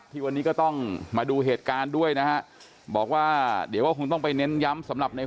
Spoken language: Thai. ที่วันนี้ก็ต้องมาดูเหตุการณ์ด้วยนะฮะบอกว่าเดี๋ยวก็คงต้องไปเน้นย้ำสำหรับใน